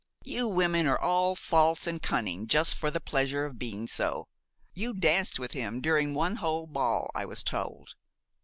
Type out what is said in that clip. "You women are all false and cunning just for the pleasure of being so. You danced with him during one whole ball, I was told."